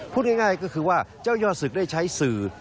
พูดง่ายก็คือว่าเจ้ายอดศึกได้ใช้สื่อ